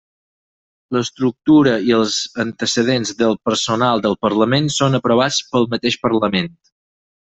L'estructura i els antecedents del personal del Parlament són aprovats pel mateix Parlament.